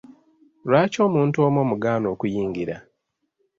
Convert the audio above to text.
Lwaki omuntu omu omugaana okuyingira?